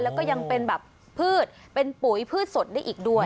แล้วก็ยังเป็นแบบพืชเป็นปุ๋ยพืชสดได้อีกด้วย